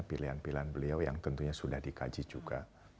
pilihan pilihan beliau yang tentunya sudah dikaji juga